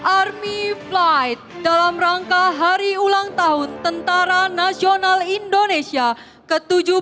army flight dalam rangka hari ulang tahun tentara nasional indonesia ke tujuh puluh dua